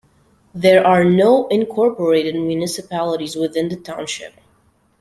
There are no incorporated municipalities within the township.